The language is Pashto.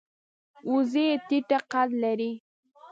وزې ټیټه قد لري